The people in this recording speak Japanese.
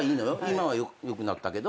今はよくなったけど。